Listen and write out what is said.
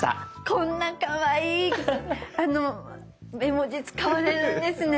こんなかわいい絵文字使われるんですね。